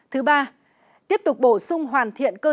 thứ ba tiếp tục bổ sung hoàn thiện cơ sở